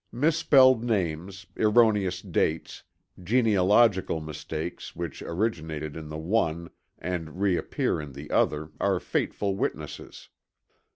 Misspelled names, erroneous dates, genealogical mistakes which originated in the one and reappear in the other are fateful witnesses.